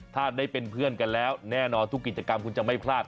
ถ้าได้เป็นเพื่อนกันแล้วแน่นอนทุกกิจกรรมคุณจะไม่พลาด